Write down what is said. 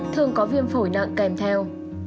thường có viêm phổi nặng kèm theo